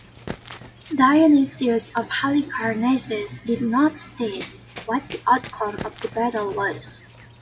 Dionysius of Halicarnassus did not state what the outcome of the battle was.